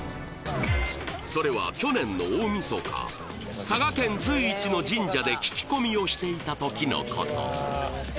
それは去年の大晦日佐賀県随一の神社で聞き込みをしていたときのこと